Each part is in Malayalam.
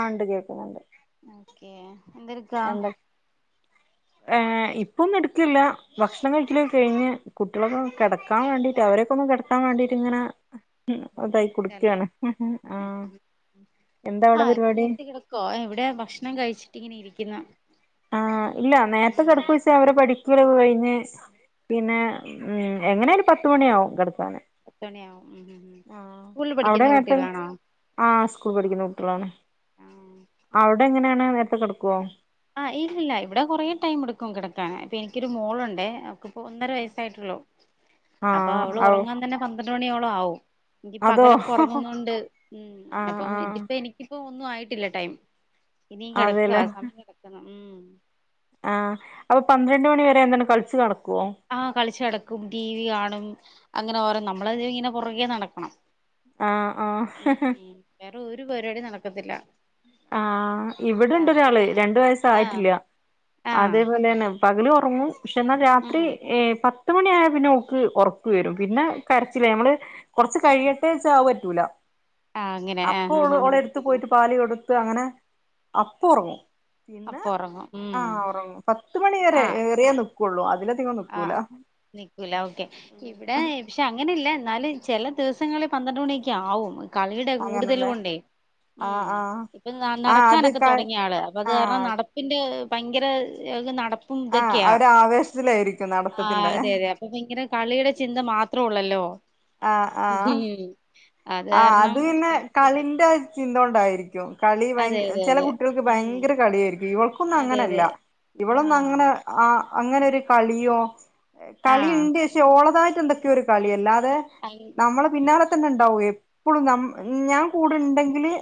ആ ഇണ്ട് കേക്കുന്നുണ്ട് ഏ എന്തെടുക്കാ ഏ ഇപ്പൊന്നും എടുക്കുന്നില്ല ഭക്ഷണം കഴിക്കലൊക്കെ കഴിഞ്ഞ് കുട്ടിലൊക്കെ ഉം കിടക്കാൻ വേണ്ടി അവരൊകെ കിടക്കാൻ വേണ്ടിട്ട് ങ്ങനെ എന്താ അവിടെ പരിപാടി ഇവിടെ ഭക്ഷണം കഴിച്ചിട്ങ്ങനെ ഇരി രിക്കുന്നു ആ ഇല്ല നേരത്തെ കിടക്കോ ചോദിച്ചാൽ അവരെ പഠി ക്കൽ ക്കെ കഴിഞ്ഞ് പിന്നെ എങ്ങിയലും പത്ത് മണി ആവും കിടക്കാൻ പത്ത്മണിയാവും ആഹ് അവിടെ [unintelligible] കുട്ടികളാണോ ആ സ്കൂ സ്കൂളിൽ പഠിക്കുന്ന കുട്ടികൾ ആണ് അവിടെ എങ്ങനെ നിങ്ങള് നേരത്തെ കിടക്കുവോ ആഹ് ഇല്ലില്ല ഇവിടെ കുറേ ടൈം എടുക്കും കിടക്കാൻ, ഇപ്പോ എനിക്കൊരു മോളുണ്ടെ അവ ഇപ്പോ ഒന്നര വയസായിട്ടുള്ളു ആ അപ്പൊ അവളുറങ്ങാൻ തന്നെ പന്ത് ന്ത്രണ്ട് മണിയോളം ആവും ഈ അതോ പകലൊക്കെ ഉറങ്ങുന്നോണ്ട് ആ ഉം ആ ഇനിപ്പോ ഇത് ഒന്നും ആയിട്ടില്ല ടൈം ഇനീം കിടക്കുവാ സമയം ആയി ഉം ആഹ് അപ്പൊ പന്ത്രണ്ട് മണിവരെ എന്താണ് കളിച്ചു നടകു ആഹ് കളിച്ചു നടക്കും, ടിവി കാണും അങ്ങനെ ഓരോന്ന് നമ്മളാണെ ഇങ്ങനെ പിറകെ നടക്കണം ആഹ് ആഹ് ഹ ഹഹഹ വിടെ ഒരു പരിപാടിയും നടക്കത്തില്ല ആഹ് ആ ഇവിടുണ്ട് ആഹ് ഒരാള് പിന്നെ രണ്ടു ആഹ് വയസ്സായിട്ടില്ല ആഹ് അതേ പോലെ തന്നെ പകലും ഉ തന്നെ പക്ഷേ ന്നാ രാത്രി ഉം ഏ പത്ത് പത്തുമണി ആയ പിന്നെ ഒള്ക്ക് ഒറക്ക് വരും പിന്നെ കരച്ചിലായി നമ്മള് കുറച്ചു കഴിയട്ടെ ന്ന് വച്ചാ അത് പറ്റൂല ആഹ് അങ്ങനെ ആഹ് ആഹ് അപ്പൊഓള് ആഹ് ഓളെ എടുത്ത് പോയിട്ട് പാൽ കൊട് ത്ത് അങ്ങനെ അപ്പോ ഉറങ്ങും പിന്നെ അപ്പൊ ഉറങ്ങും ഉം ആഹ് ഉറങ്ങും, പത്ത് മണി വരെ ആഹ് ഏറിയാലും കൊള്ളും അതിൽ ആഹ് നിക്കൂല ഓക്കേ ഇവിടെ പക്ഷേ അങ്ങനില്ല എന്നാലും ചില ദിവസങ്ങളിൽ പന്ത്രണ്ട് മണി ഒക്കെ ആവും കളീടെ കൂടുതല് അങ്ങനല്ലേ കൊണ്ടേ മ് ആഹ് ആഹ് ഇപ്പോ ആഹ് അത് നടക്കാനൊക്കെ ക തുടങ്ങി ആള് അപ്പൊ അത് കാരണം ആഹ് നടപ്പിന്റെ ഭയങ്കര ഇയാൾക്ക് നടപ്പ് ആഹ് ആ ഒരു ആവേശത്തിലായിരിക്കും. ആഹ് അതെ, അതേ. അപ്പൊ ഭയങ്ക്... ഇങ്ങനെ കളിയുടെ ചിന്ത മാത്രം ഉള്ളല്ലോ ആഹ് ആഹ് [unintelligible] ആഹ് കാരണം അത് പിന്നെ താമസിക്കും. കളിൻ്റ ഇത് എന്തോണ്ടായിരിക്കും കളി അതെ ഭയങ്കര അതെ ചെല അതെ കുട്ടികൾക്ക് ഉം ഭയങ്കര കളിയായിരിക്കും ഇവൾക്കൊന്നും അതെ അങ്ങനല്ല, അതെ ഇവളൊന്നും ആഹ് അങ്ങനെ ആ അങ്ങനെയൊരു കളിയോ ആഹ് കളിയിണ്ട് പക്ഷേ ഓളതായിട്ട് എന്തൊക്കെയോ ഒരു കളിയല്ലാ തെ അയ് നമ്മള് പിന്നാലെ തന്നെണ്ടാവു എപ് ഇപ്പോളും ഞമ്മ് ഞാൻ കൂടിണ്ടെങ്കില്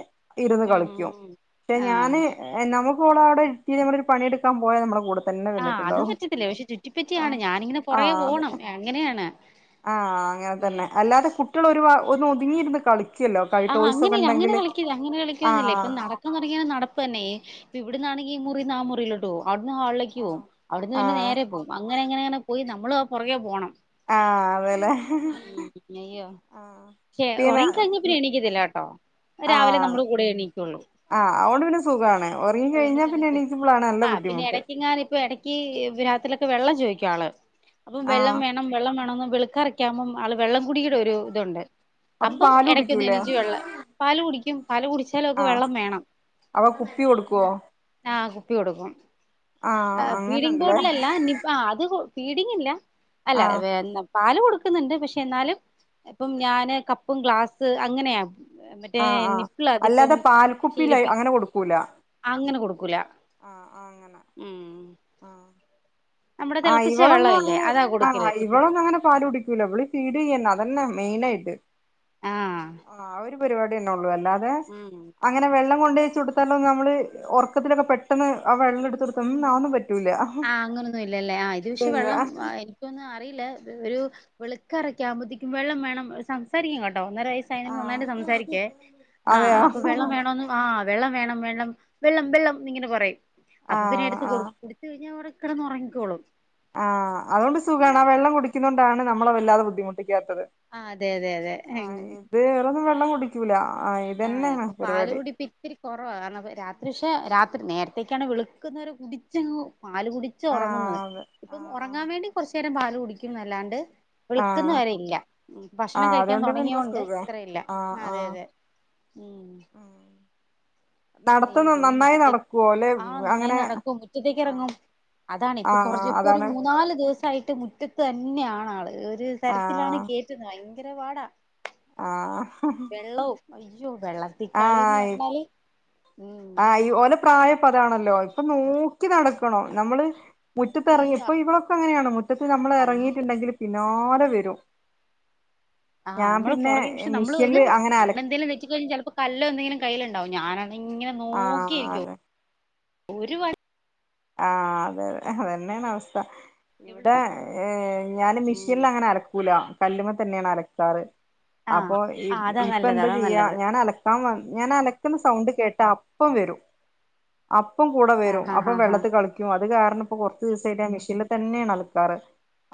ഇരുന്ന് ഉം ഉം കളിക്കും ഉം ഉം. ക്ഷെ ആഹ് ഞാന് എൻ നമുക് പ്പോളാവടിരുത്തീറ്റ് ഞമ്മളൊരു പണിയെടുക്കാൻ പോയാ ഞമ്മള കൂടത് തന്നെ ആഹ് അത് വന്നിട്ടുണ്ടാവും പറ്റത്തില്ല പക്ഷെ ചുറ്റിപ്പറ്റിയാണ് ആഹ് ഞാനിങ്ങനെ പുറകെ ആഹ് പോണം അതന്നെ അങ്ങനെയാണ് ആഹ് ഉം അങ്ങനെത്തന്നെ അല്ലാതെ കുട്ടികളൊരു ഭാഗ് ഒന്നോന്ന് പിന്നീയിരുന്നു കളിക് ആഹ് അങ്ങനെയില്ല അങ്ങനെ കളിക്കില്ല അങ്ങനെ കളിക്കുവൊന്നു ഇല്ല ഇപ്പൊ ആഹ് നടക്കാൻ തുടങ്ങിയേനെ നടപ്പ് അന്നേ [unintelligible] ഇവിടുന്നാണെങ്കി ഈ മുറീന്നാ മുറീലോട്ട് പോവും അവിടുന്ന് ഹാളിലേക്ക് പോവും. ആഹ് അവിടുന്ന് പിന്നെ ആഹ് നേരെ പോവും. അങ്ങനങ്ങനങ്ങനെ പോയി നമ്മ് മ്മളുവാ പൊറകേ പോണം ആഹ് അതെലേ ഉം അയ്യോ ആഹ് പിന ന്ന് എണീക്കത്തില്ലാട്ടോ രാവിലെ നമ്മടെ കൂടേ എണീക്കൊള്ളൂ ആഹ് അതുകൊണ്ട് പിന്നെ സുഖാണ് ഉറങ്ങി കഴിഞ്ഞാ പിന്നെ എണീക്കുമ്പളാണ് നല്ല ആഹ് പിന്നെ ബുദ്ധിമുട്ട് എടയ്ക്കെങ്ങാനും ഇപ്പൊ എടയ്ക്ക് രാത് [inaudible] രാത്രീലൊക്കെ വെള്ളം ചോയ്ക്കും ആള് അപ്പം വെള്ളം ആഹ് വേണം വെള്ളം വേണോന്ന് വെളുക്കാറെക് ക്ക്യാവുമ്പം ആള് വെള്ളം കുടിയുടെ ഒരു ഇതൊണ്ട് അപ്പൊ അപ്പം പാല് എടയ് കുടിക്കൂലേ ക്കുന്നെണീച്ച് വെള്ള പാല് കു കുടിക്കും പാല് കുടിച്ചാലു അവക്ക് ആഹ് വെള്ളം വേണം അപ്പൊ കുപ്പി കൊടുക്കുവോ ആ കുപ്പി കൊടുക്കും ആഹ് അ ഫീഡിംഗ് അങ്ങനെണ്ട്ല്ലേ ബോട്ടിലല്ല നിപ്പ് ആ അത് കൊട് ഫീഡിങ്ങില്ല അല്ല ആഹ് വേന്നം പാലു കൊടുക്കുന്നുണ്ട് പക്ഷേ എന്നാലും ഇപ്പം ഞാന് കപ്പും ഗ്ലാ സ് അങ്ങനെയാ മറ്റേ ആഹ് ആഹ് നിപ്പിളതിപ്പം അല്ലാതെ പാൽക്കുപ്പിയില് ശീലിപ്പിക് അങ്ങനെ കൊടുക്കൂല അങ്ങനെ കൊടുക്കൂല ഉം ആ നമ്മുടെ ആ തിളപ്പിച്ച വെള്ളം ഇല്ലേ ഇവളൊന്നുവങ്ങനെ അതാ ആ കൊടുക്കല് ഇവളൊന്നുവങ്ങനെ പാല് കുടിക്കൂല ഇവളീ ഫീഡ് യ്യന്നെ അതന്നെ മെയ്‌നായിട്ട് ആഹ് ആ ഒരു പരിപാടി തന്നെ ഒ അല്ലാതെ ഉം അങ്ങനെ വെള്ളം കൊണ്ടേച്ച് കൊടുത്താലൊന്നും നമ്മള് ഉറക്കത്തിൽ ഒക്ക പെട്ടെന്ന് ആ വെള്ളം മ്മ് അതൊന്നും പ ആ അങ്ങനെ ഒന്നും ഇല്ലല്ലേ ആ അയിന്റെശം ഇല്ലല്ല വെള്ളം ആ എനിക്ക് ഒന്നും അറിയില്ല ഒരു വെളുക്കാറൊക്കെ ആവുമ്പോത്തേക്ക് വെള്ളം വേണം സംസാരിക്കും കേ ട്ടൊ ഒന്നര വയസ്സായണ് ആഹ് നന്നായിട്ട് സംസാരിക്കെ ആ അതെയോ അപ്പം വെള്ളം വേണോന്ന് ആ വെള്ളം വേണം വെള്ളം വെള്ളം വെള്ളം ന്നിങ്ങനെ പറയും അപ്പോപിന്നെ ആഹ് എടുത്ത് കൊടുക്കും പിന്നെ അവിടെ കിടന്ന് ഉറങ്ങിക്കോളും ആ അത്കൊണ്ട് സുഖാണ് ആ വെള്ളം കൂടിക്ക്ണോണ്ടാണ് നമ്മ നമ്മളെ വല്ലാതെ ബുദ്ദിമുട്ടി ക്കാത്തത് ആഹ് അതെ അതെ അതെ ആ ഇത് ഏറെ ഒന്നും വെള്ളം കു നീച്ചുലാ ആ ഇപ്പ പാല് കുടി ഇപ്പ ഇത്തിരി കുറവാ പക്ഷേ രാ നേരത്തേ ഒക്കെ ആണേൽ വെളുക്കുന്നരെ കുടിച്ചങ്ങ് പാൽ കുടിച്ച ആഹ് ഉറങ്ങുന്നത് അതെ ഇപ്പം ആഹ് ഒറങ്ങാൻ വേണ്ടി കൊർച്ചെരം പാല് കൊ രിക്കും ന്നല്ലാണ്ട് ആഹ് വെളിക്ക്ന്ന ആഹ് വരെ ഇല്ല ഭക്ഷണം ആഹ് കഴിക്കാൻ അതുകൊണ്ട് പിന്നെ തുടങ്ങിയോണ്ട് സുഖാ ഇത്രയില്ല ആഹ് അതെ ആഹ് അതെ മ് അയ്യേ നടത്തം പിന്നെ നന്നായി മുറ്റത്തേക്ക് നടക്കുവോ അല്ലെ ഇറങ്ങും ആ നന്നായി അങ്ങനെ നടക്കും പിന്നെ മുറ്റത്തേക്ക് ആഹ് ഇറങ്ങും അതാണ് പിന്നെ ആഹ് കുറച്ച് ഒരു അതാണ് മുന്നാൽ ദിവസായി ട്ട് മുറ്റത്ത് തന്നെ യാണ് ആൾ [unintelligible] ഗേറ്റ് സായും ഭയങ്കര പാടാ ആഹ വെള്ളവും അയ്യോ വെള്ളത്തിൽ കളിന്ന് പറഞ്ഞാൽ ആ ഒലെ പ്രായം അതാണല്ലോ പ്പം നോക്കി നടക്കണം മുറ്റത്തിറങ്ങി പ്പം ഇവിടെ അങ്ങനെയാണ് മുറ്റത്ത് നമ്മൾ ഇറങ്ങീട്ട് ഉണ്ടെങ്കിൽ പിന്നെ നാള വരും ആഹ് ഞാൻ നമ്മള് പിന്നെ പൊറകി പക്ഷേ നമ്മള് ഒന്ന് മിഷ്യനില് അങ്ങനെ അല [unintelligible] കല്ലെന്തേലും കയ്യിലു ണ്ടാവും ഞാനാ ഇങ്ങനെ നോക്കി ആഹ് ഇരിക്കും അതെ ഒരു വ ആഹ് അതെ അതെ അത് തന്നെയാണ് അവസ്ഥ ഇവിടെ ഞാന് ഉം മിഷ്യനില് അങ്ങനെ അലക്കൂല കല്ലുമ്മേ തന്നെയാണ് അലക്കാറ് ആഹ് അപ്പോൾ ആഹ് അതാ ഇപ്പ നല്ലത് എന്താ അതാ ചെയ്യാ നല്ലത് ഞാൻ അലക്കാൻ വന്ന് ഞാൻ അലക് ക്കുന്ന സൗണ്ട് കേട്ട അപ്പം വരും അപ്പം കൂടെ വരും ആഹ് ആഹ് അപ്പ ആഹ് വെള്ളത്തി ആഹ് ത്തിൽ കളിക്കും അത് കാരണം കുറച്ചു ദിവസായിട്ട് ഞാൻ മിഷ്യനിൽ തന്നെയാണ് അലക്കാറ്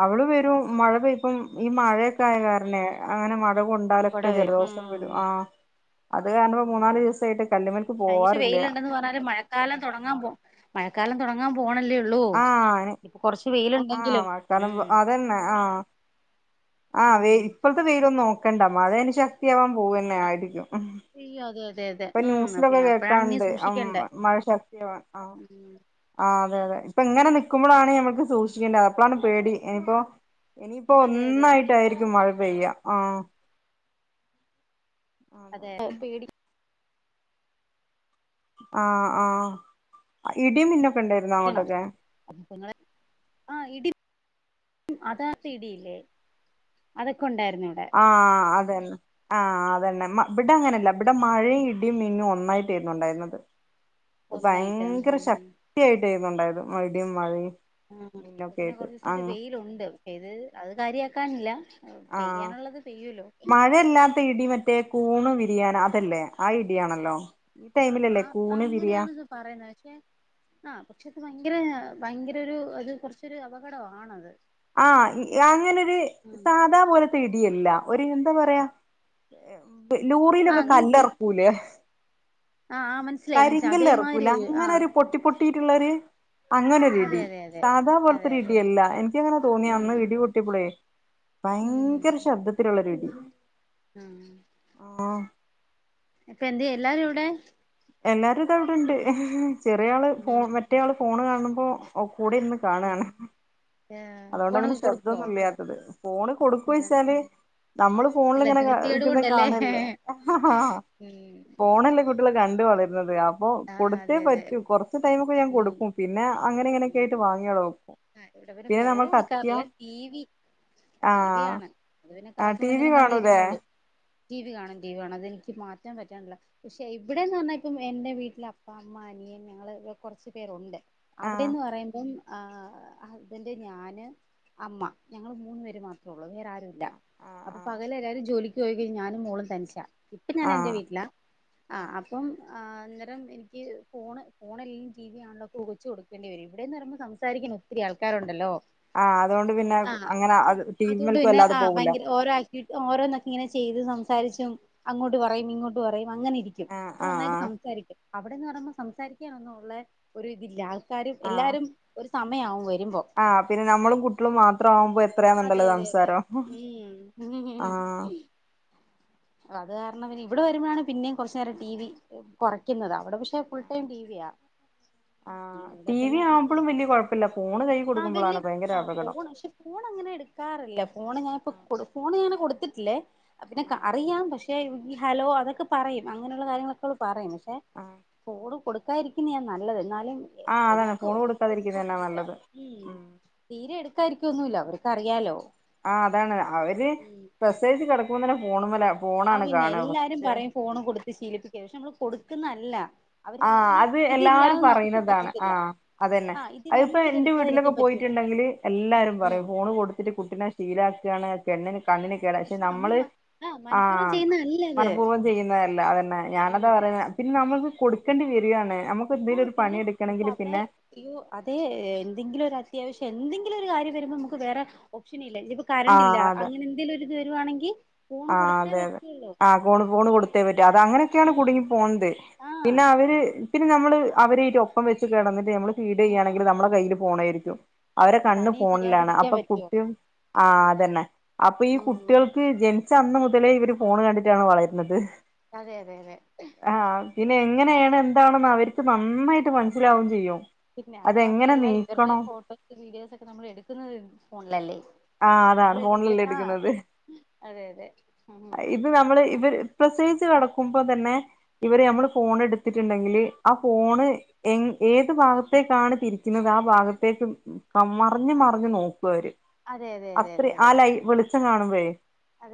അവള് വരും മഴ പെയ്പ്പും ഈ മഴ ഒക്കെ ആയ കാരണവേ അങ്ങനെ മ ഴ കുട കൊണ്ടാലൊക്കെ വരും ജലദോഷം ഉം വരും അത് കാരണം മൂന്നാലു ദിവസം ആയിട്ട് കഴിഞ്ഞിച്ചിരി വെയ്ലുണ്ടെന്നു പറഞ്ഞാലും മഴക്കാലം തൊടങ്ങാൻ പൊ ഴക്കാലം തൊടങ്ങാൻ പോണ ആഹ് ആഹ് വെയിലുണ്ടെങ്കിലും മഴക്കാലം ഉം അതെന്നെ ആഹ് ഉം വെയില് ഇപ്പോഴത്തെ വെയില് ഒന്നോ ക്കണ്ട മഴയിനി ശക്തിയാകാൻ പൊ പോവന്നെ ആയിരിക്കും അയ്യോ അതെ അതെ അതെ ഇപ്പ ഉം അപ്പ ന്യൂസിലൊക്കെ അപ്പഴാണ് നീ കേൾക്കാറുണ്ട് സൂക്ഷിക്കേണ്ടേ മഴ ശക്തി ആവാൻ ആഹ് ഉം അതെ അതെ ഇപ്പ ഇങ്ങനെ നിക്കുമ്പോഴാണ് നമുക്ക് സൂക്ഷിക്കണ്ടേ അപ്പഴാണ് പേടി ഇനീപ്പോ ഇന്നിയിപ്പോ അതെ അതെ ഒന്നായിട്ടായിരിക്കും മഴ പെയ്യാ അതെ ആഹ് ആഹ് ഇടി മിന്നും ആഹ് ഇടി അതാ പേടിയില്ലേ ആഹ് അതെ ആഹ് അതെന്നെ ഇവിടെ അങ്ങനല്ല ഉം ഇവിടെ മഴെ ഇ ഡിയും മിന്നും ഒന്നായിപെയ്യുന്നുണ്ട യിരുന്നത് ഒന്നായിട്ട് ഭയങ്കര ശക്തി ആയിട്ടാരുന്നു ഒണ്ടായിരുന്നത് ഇടിയും മഴയും ആഹ് മിന്നൊക്കെ പ്പോ ആയിട്ട് ആ കൊറച്ചീസായിട്ട് വെയ്ലുണ്ട് കാര്യാ ക്കാൻല ആഹ് മഴല്ലാത്തെ ഇടി മറ്റേ കൂണ് വിരിയാന് അതല്ലേ ആ ഇടിയാണല്ലോ ഈ ആ ആ ടൈമിലല്ലേ കൂണ് വിരിയ അങ്ങനെയാണിത് പറയ്ണെ പഷേ ആഹ് പഷേ അത് ഭയങ്കര ഭയങ്കരഒര് അത് കൊറച്ചൊരു അപകടവാണത് ആഹ് അങ്ങനൊര് സാധപോലെത്തെ ഇടി അല്ല ഒര് എന്താ പറയ്അ ആഹ് ലോറിലൊക്കെ അങ്ങനെയൊക്കെ കല്ലെറ്ക്കൂലെ ഹ് ആഹ് ആഹ് മനസ്സിലായി മനസ്സിലായി കരിങ്കല്ലെർക്കൂലെ അതേമാതിരി ആഹ് അങ്ങനെര് പൊട്ടി പൊട്ടി റ്റ് ള്ളൊര് അതെ അങ്ങനൊര്ടി അതെ അതെ അതെ അതെ സാധാപോലത്തൊര്ടി അല്ല ഇക്കങ്ങനെ തോന്നി ഉം അന്ന് ഇടി പൊട്ട്യേപ്പോ പ്ളേ ഭയങ്കര ശബ്ദതില് ള്ളൊര് ടി മ് ആഹ് ഒക്കെന്ത്യേ എല്ലാരും എവിടെ എല്ലാരുതാവ്ടണ്ട് ചെറിയാല് ഉം ഫോൺ മറ്റേ ആള് ഫോണ് കാണ് മ്പോ ഒപ് കൂടെര്ന്ന് കാണാണ് ഏഹ് അതോണ്ടാ ഫോണൊക്കെ കൊടുക്കുവോ ശബ്ദോന്നുല്ലാത്തത് ഫോണ് കൊട്ക്കോയ് ച്ചാല് നമ്മള് അല്ല ഫോണിലിങ്ങനെ നിവൃത്തികേട് കൊണ്ടല്ലേ കാണ്ല്ലേ ഉം ഫോണല്ലേ കുട്ട്യാള് വളര്ണത് പ്പോ ആഹ് കൊട്ത്തെ അതെ അതെ പറ്റു കൊറച്ച് ടൈമോക്കെ ഞാൻ ഉം കൊട്ക്കും പിന്നെ അങ്ങനേം ഇങ്ങനെ ഉം ഒക്കെയിട്ട് വാങ്യവടെ വെക്കും ഇവിടെ പിന്നെ പിന്നെ ഫോണ് നമ്മൾക്ക് അത്യാ കൊട്ക്കാറില്ല ടീ വി ടീവി ആഹ് ആണ് അത് പിന്നെ ആഹ് ടി വി കാർട്ടൂണെന്തങ്കിലും കാണൂലേ കണ്ടിര്ന്നോളും. ടീവി കാണും ടീവി കാണും അതെനിക്ക് മാറ്റാൻ പറ്റണില്ല പക്ഷെ ഇവിടെന്ന് പറഞ്ഞാ ഇപ്പം എന്റെ വീട്ടി ൽ അപ്പ, അമ്മ, അനിയൻ ഞങ്ങള് കൊറച്ച് പേരൊണ്ട്. ആഹ് അവിടെന്ന് പറയുമ്പം ആഹ് ഹസ്ബന്റ്, ഞാന്, അമ്മ ഞങ്ങൾ മൂന് പേര് മാത്രേ ഉള്ളൂ വേറാ രൂല ആഹ് ആഹ് പോയി കഴിഞ്ഞാ ഞാനും മോളും തനിച്ചാ ഇപ്പ ഞാനെന്റെ ആഹ് വീട്ടിലാ ആഹ് അപ്പം ആ ന്ന് എനിക്ക് ഫോണ് ഫോണിൽ ടി വി കാണലും ഒക്കെ വെച്ചു കൊടുക്കേണ്ടി വരും ഇവിടെ അണെങ്കിൽ സംസാരിക്കാൻ ഒത്തിരി ആൾക്കാരുണ്ടല്ലോ ആഹ് അതുകൊണ്ട് പിന്നെ ആ അങ്ങനെ അത് ടി അതുകൊണ്ട് വിമൽക്ക് പിന്നെ വല്ലാതെ ആ പോകൂല ഫയങ്ക ഓരോ ആക്ടി ഓരോന്നൊക്കെ ഇങ്ങനെ ചെയ്ത് സം ചരിച്ചും അങ്ങോട്ട് പറയും ഇങ്ങോട്ട് പറയും അങ്ങനെ ഇരിക്കും ആഹ് അപ്പം ആഹ് നല്ലതായിട്ട് ആഹ് സംസാരിക്കും അവിടെന്ന് പറയുമ്പോ സംസാരിക്കാൻ ഒന്നും ഒള്ളെ ഒരു ഇത് ഇല്ല ആൾ ൾക്കാര് എല്ലാരും ഒര് സമയാകുവേ ആ പിന്നെ നമ്മളും കുട്ടികളും മാത്രം ആവുമ്പം അതെ അതെ അതെ ഉം ആഹ് അത് കാരണം പിന്നെ ഇവിടെ വരുമ്പം ആണ് പിന്നേം കുറച്ച് നേരം ടി വി കുറക്കുന്നത് അവിടെ പക്ഷെ ഇവിടെ ഫുൾ ടൈം ടി വി യാ ആഹ് ഇവിടെ ടി വി പിന്നെ ഉം ഉം ആവുമ്പളും വല്യ കൊഴപ്പല്ല ഫോണ് കൈ കൊടുക്കുമ്പളാണ് അതല്ലിയോ ഭയങ്കര ആ അപകടം ഫോൺ പക്ഷെ ഫോൺ അങ്ങനെ എടുക്കാറില്ല ഫോണ് ഞാന് ഇപ്പം ആഹ് കൊട് ഫോണ് ഞാന് കൊട് ക്കത്തില്ലേ അ പിന്നെ ആഹ് അറിയാം പക്ഷെ ഈ ഹലോ അതൊക്കെ പറയും അങ്ങനൊള്ള കാര്യങ്ങൾ ഒക്കെ പറയും പക്ഷെ ക്ഷേ ആഹ് ഫോണ് കൊടു കൊടുക്കാതിരിക്കുന്നെയാ നല്ലത് എന്നാല് ആ അതാണ് ഫോണ് കൊടുക്കാതെ ഇരിക്കുന്നത് തന്നെയാ നല്ലത് സംസാരിക്കുവൊന്നുമില്ല അവർക്ക് അറിയാല്ലോ ആഹ് അതാണ് അവര് പ്രെസവിച്ച് കിടക്കുമ്പോ തന്നെ ഫോണുംമേലാ ആ പിന്നെ എല്ലാരും പറയും ഫോണ് കൊടുത്ത് ശീലിപ്പിക്കരുത് പക്ഷെ നമ്മള് കൊടുക്കുന്നെ അല്ല ആ അത് എല്ലാരും പറയുന്നതാണ് ആ പറ്റത്തില്ല അതന്നെ ആ ഇത് അത് ഇപ്പം നമുക്ക് ഇത് എന്റെ വീട്ടിലെക്കെ എടുക്കാതിരിക്കാൻ പറ്റൂല പോയിട്ടുണ്ടെങ്കില് എല്ലാരും ഉം പറയും ഫോണ് കൊടുത്തിട്ട് കുട്ടീനെ ശീലം ആക്കാണ് [unintelligible] കണ്ണിന് കേടാ പക്ഷെ നമ്മള് ആ മനഃപൂർവ്വം ചെയ്യുന്നതല്ല ഇത് മനഃപൂർവം ചെയ്യുന്നതല്ല അതന്നെ ഞാന് ഉം അതാ പറയുന്നെ പിന്നെ നമുക്ക് കൊടു ക്കേണ്ടി വരികാണ് ആ പിന്നെ ഇപ്പം അവിടെ ഇയ്യോ അതേ എന്തെങ്കിലുമൊര് അ അത്യാവശ്യം എന്തെങ്കിലുമൊരു കാര്യം വരുമ്പം നമ്മക്ക് വേറെ ഓപ്ഷ് ഷനില്ല ഇപ്പം കറന്റ്‌ ഇല്ല ആഹ് അതെ അങ്ങനെ എന്തേലുമൊരു അത് വരുവാണെങ്കി ആഹ് അതെ അതെ ഫോൺ കൊടുത്തേ പറ്റു അങ്ങനെയൊക്കെ ആണ് ഉം കുടുങ്ങി പോണത് ആഹ് പിന്നെ അവര് നമ്മള് അവരെ ഒപ്പം വെച്ച് കിടന്ന് നമ്മള് ഫീഡ് ഉം ചെയ്യുവാണെങ്കിൽ നമ്മള കയ്യിലും പോണരിക്കും അവരെ കണ്ണ് പണി ഫോണിലാണ് ചെയ്യാതിരിക്കാൻ അപ്പൊ പറ്റോ കുട്ടിയും ആഹ് അതന്നെ അപ്പോൾ ഈ ഉം കുട്ടികൾക്ക് ജനി ച്ച അന്നുമുതലേ ഇവര് ഫോണ് കണ്ടിട്ടാണ് വളരുന്നത് അതെ അതെ അതെ ഇതിലെങ്ങനെയാണ് എന്താണ് എന്ന് അവർക്ക് നന്നായിട്ട് മനസിലാവും ചെയ്യും പിന്നെ അതെങ്ങനെ അതുമാത്രമല്ല ഇവരുടെ നീക്കണം ഫോട്ടോസ് വീഡിയോസ് ഒക്കെ നമ്മള് എടുക്കുന്നത് ഫോണിൽ അല്ലെ ആഹ് അതാണ് ഫോണിൽ അല്ലെ എടുക്കുന്നത് അതെ അതെ ഉം ഇത് നമ്മള് ഇവ പ്രസവിച്ചു കിടക്കുമ്പോൾ തന്നെ ഇവര് നമ്മള് ഫോൺ എടുത്തിട്ടുണ്ടെങ്കിൽ ആ ഫോണ് എ ഏത് ഭാഗത്തേക്ക്‌ ആണ് തിരിക്കുന്ന ആ ഭാഗത്തേക്ക്‌ മറിഞ്ഞുമറിഞ്ഞു നോക്കുമവര് അതെ അതെ അതെ അത്രേ അതെ അ അതെ ലൈ ച്ചു കാണുംമ്പഴ്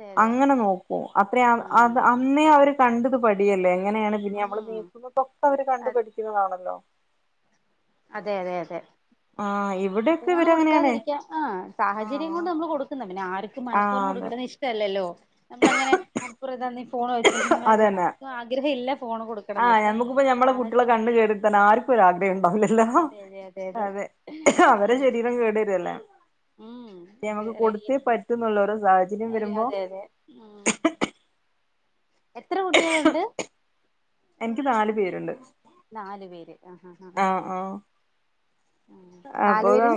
അതെ അതെ അങ്ങനെ നോക്കും അത്രേ അ ഉം അന്നേ അവര് കണ്ടത് പടിയല്ലേ അങ്ങനെയാണ് പിന്നെ നമ്മള് ഉം കേൾക്കുന്നതൊക്കെ അവര് കണ്ടു പടിക്കുന്നതാണല്ലോ അതെ അതെ അതെ ആഹ് ഇവിടെയൊക്കെ ഫോണ് ഇവരങ്ങനെയാണ് കൊടുക്കാതിരിക്കാൻ ആഹ് സാഹചര്യം ആഹ് കൊണ്ട് നമ്മള് കൊടുക്കുന്നു ആർക്കും ആഹ് മനഃപൂർവം അതെ കൊടുക്കുന്നത് ഇഷ്ടല്ലല്ലോ നമ്മള് അങ്ങനെ മനപ്പൂ ഫോണ് കാണിച്ചു കൊടുക്കുമ്പോ അതന്നെ നമ്മക്ക് ആഗ്രഹം ഇല്ല ഫോണ് കൊടുക്കണംന്ന് ആഹ് പക്ഷെ നമ്മക്ക് ഇപ്പം നമ്മള കുട്ടിയോളുടെ സാഹചര്യം കണ്ണ് കേടുവരുത്തൻ ആർക്കും ആഗ്രഹം ഉണ്ടാവില്ല അതെ അവരെ ഉം ശരീരം കേടുവരികയല്ലേ ഉം ഇത് ടാബ് കൊടുത്തേ റേഡിയേഷൻ പറ്റുന്നുള്ളൊരു സാഹചര്യം ഒരു വരുമ്പോ അതെ അതെ ഉം [unintelligible] എത്ര കുട്ടിയോള് ഉണ്ട് എനിക്ക് നാലു പേരുണ്ട് നാലുപേര് ആഹ് ആഹ് അപ്പോ നാലു പേരും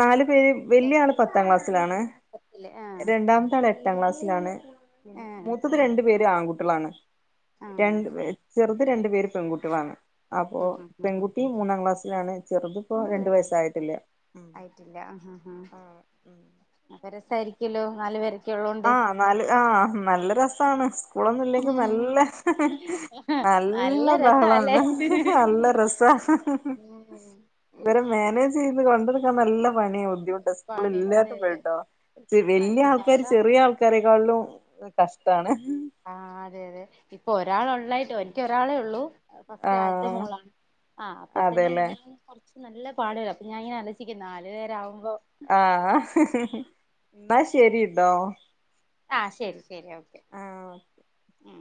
നാലു പേരും വലിയ ആൾ പത്താം ക്ലാസ്സിൽ ആണ് പത്തില് ആ രണ്ടാമത്തെ ആൾ എ ട്ടാം ക്ലാസ്സിൽ ആണ് ആ മൂത്തത് രണ്ടുപേര് ആൺകുട്ടികൾ ആണ് ആ ആ രണ്ട്പേര് ചെറു രണ്ട് പേര് പെൺകുട്ടികൾ ആണ് അപ്പോ പെൺകുട്ടി മൂന്നാം ക്ലാസിലാണ് ചെറുതും മൂന്നാം ക്ലാസില് ആയിട്ടില്ല ഹ് ഹ് ഹ് രസം ആയിരിക്കുല്ലോ നാലുപേര് ആ നാല് ആ നല്ല രസ മാണ് സ്കൂൾ ഒന്നുമില്ലെങ്കിൽ നല്ല ഹ് ഹ് നല്ല ബഹളമാണ് ഹ് ഹ് ഹ്‌ നല്ല രസമാണ് ഹ് ഹ് ഹ് ഉം ഇവരെ മാനേജ് ചെയ് ഇത് കണ്ടിരിക്കാൻ നല്ല പണിയാ പണി അതെ [unintelligible] അതെ വേണ്ടാ ഇച്ചിരി ആ വെല്യ പിന്നെ ആൾക്കാര് അവിടെ പുതിയ ആൾക്കാരെക്കാളും കഷ്ടാണ് ആ അതെതെ ഇപ്പോ ഒരാള് ഒള്ളായിട്ട് എനിക്ക് ഒരാളെ ഉള്ളൂ ഫസ്റ്റ് ആദ്യത്തെ ആഹ് മോളാണ് ആ അപ്പത്തന്നെ അതെല്ലേ എനിക്ക് ആ കൊറച്ച് നല്ല പാട് വരും അപ്പോൾ ഞാൻ ഇങ്ങനെ ആലോചിക്കയാ നാലു പേര് ആകുമ്പോ ആ ഹ് ഹ് ഹ് അന്നാ ശരി കെട്ടോ ആ ശരി ശരി ഓകെ ആ ഓക്കേ മ്